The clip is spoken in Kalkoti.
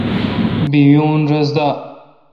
بییون رس دا۔